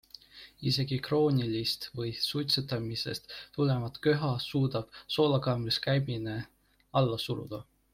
Isegi kroonilist või suitsetamisest tulenevat köha suudab soolakambris käimine alla suruda.